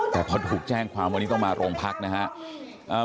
แต่พอถูกแจ้งความวันนี้ต้องมาโรงพักนะครับ